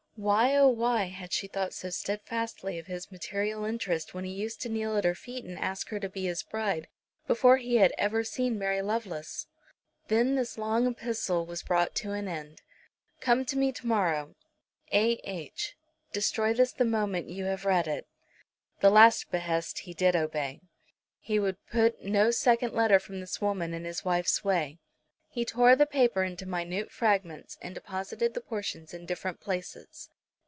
Why, oh why, had she thought so steadfastly of his material interests when he used to kneel at her feet and ask her to be his bride, before he had ever seen Mary Lovelace? Then this long epistle was brought to an end. "Come to me to morrow, A. H. Destroy this the moment you have read it." The last behest he did obey. He would put no second letter from this woman in his wife's way. He tore the paper into minute fragments, and deposited the portions in different places.